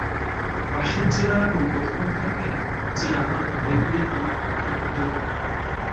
বাঁশের চেলার আগুন কতক্ষণ থাকে যে আবার ঘড়ি-ঘড়ি তামাক খাওয়ার আগুন জোগাবো?